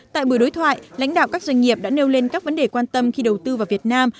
tại buổi đối thoại lãnh đạo các doanh nghiệp đã nêu lên các vấn đề quan tâm khi đầu tư vào việt nam